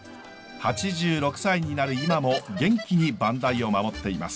８６歳になる今も元気に番台を守っています。